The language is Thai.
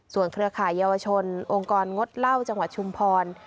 เครือข่ายเยาวชนองค์กรงดเหล้าจังหวัดชุมพร